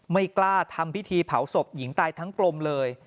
ไม่กล้าทำพิธีเผาศพหญิงตายทั้งกลมเลย